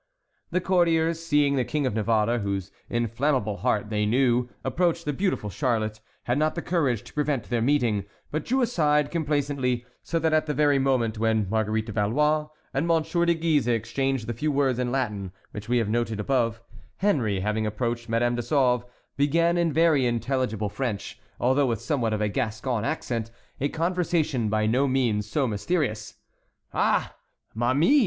The courtiers, seeing the King of Navarre, whose inflammable heart they knew, approach the beautiful Charlotte, had not the courage to prevent their meeting, but drew aside complaisantly; so that at the very moment when Marguerite de Valois and Monsieur de Guise exchanged the few words in Latin which we have noted above, Henry, having approached Madame de Sauve, began, in very intelligible French, although with somewhat of a Gascon accent, a conversation by no means so mysterious. "Ah, ma mie!"